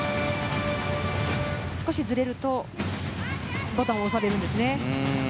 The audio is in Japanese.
少しずれるとボタンを押されるんですね。